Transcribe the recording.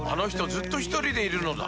ずっとひとりでいるのだ